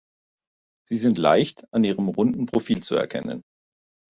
Sie sind leicht an ihrem runden Profil zu erkennen.